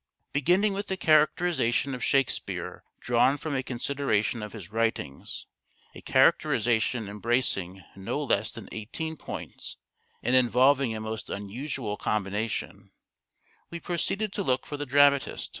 Beginning with a characterization of Shakespeare drawn from a consideration of his writings, a character ization embracing no less than eighteen points and involving a most unusual combination, we proceeded to look for the dramatist.